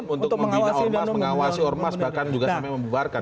untuk mengawasi dan membubarkan